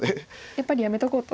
やっぱりやめとこうと。